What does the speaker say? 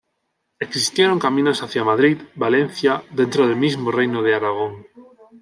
Existieron caminos hacia Madrid, Valencia, dentro del mismo Reino de Aragón.